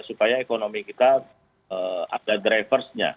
supaya ekonomi kita ada driversnya